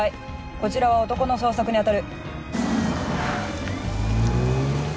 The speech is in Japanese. こちらは男の捜索に当たる。